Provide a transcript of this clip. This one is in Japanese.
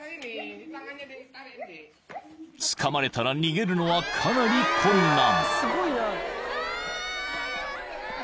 ［つかまれたら逃げるのはかなり困難］